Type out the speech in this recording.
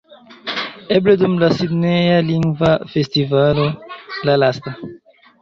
Eble dum la Sidneja Lingva Festivalo, la lasta